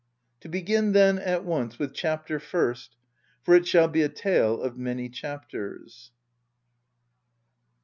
— To begin then, at once, with Chapter first, — for it shall be a tale of many chapters.